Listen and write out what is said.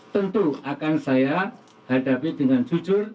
tentu akan saya hadapi dengan jujur